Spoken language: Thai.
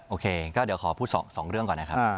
โอเคก็เดี๋ยวขอพูด๒เรื่องก่อนนะครับ